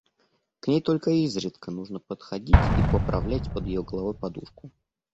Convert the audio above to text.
К ней только изредка нужно подходить и поправлять под ее головой подушку.